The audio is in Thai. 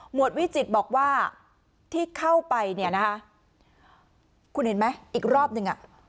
หมวดวิจิตบอกว่าที่เข้าไปคุณเห็นไหมอีกรอบหนึ่ง